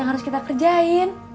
yang harus kita kerjain